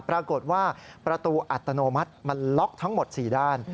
ปรากฏว่าประตูอัตโนมัติมันล็อกทั้งหมด๔ด้าน